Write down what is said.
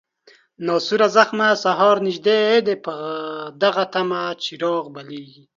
ناسوره زخمه، سهار نژدې دی په دغه طمه، چراغ بلیږي